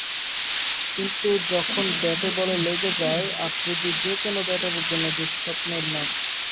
কিন্তু যখন ব্যাটে বলে লেগে যায়, আফ্রিদি যেকোনো বোলারের জন্য দুঃস্বপ্নের নাম।